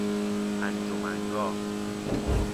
انجمنگاه